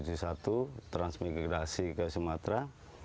saya berintegrasi ke sumatera